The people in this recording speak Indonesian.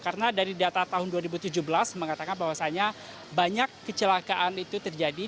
karena dari data tahun dua ribu tujuh belas mengatakan bahwasannya banyak kecelakaan itu terjadi